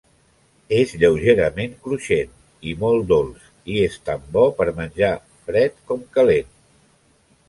És lleugerament cruixent i molt dolç i és tan bo per menjar fred com calent.